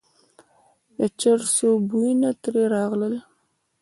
د چرسو بویونه ترې راغلل.